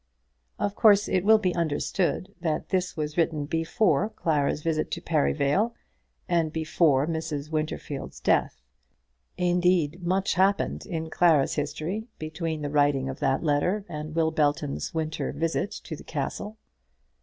Of course it will be understood that this was written before Clara's visit to Perivale, and before Mrs. Winterfield's death. Indeed, much happened in Clara's history between the writing of that letter and Will Belton's winter visit to the Castle.